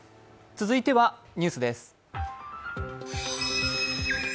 続いてはニュースです。